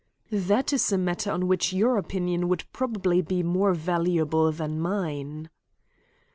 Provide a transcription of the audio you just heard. "That is a matter on which your opinion would probably be more valuable than mine."